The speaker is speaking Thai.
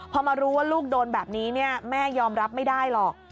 พอมารู้ว่าลูกโดนแบบนี้แม่ยอมรับไม่ได้หรอก